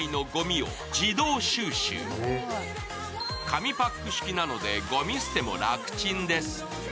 紙パック式なのでごみ捨ても楽ちんです。